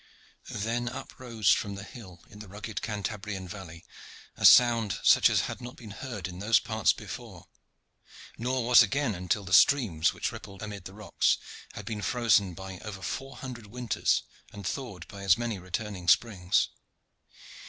Then up rose from the hill in the rugged Cantabrian valley a sound such as had not been heard in those parts before, nor was again, until the streams which rippled amid the rocks had been frozen by over four hundred winters and thawed by as many returning springs.